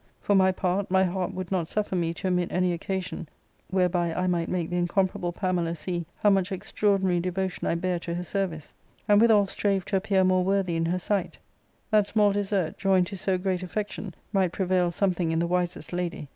For my part, my .heart would not suffer me to omit any occasion whereby I might make the incomparable Pamela see how much extraordinary devo tion I bare to her service ; and withal strave to appear more worthy in her sight ; that small desert, joined to so great affection, might prevail something in the wisest lady.